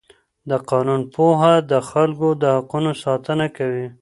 د قانون پوهه د خلکو د حقونو ساتنه کوي.